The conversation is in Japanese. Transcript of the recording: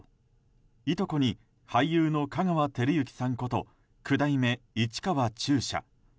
いとこに俳優の香川照之さんこと九代目市川中車。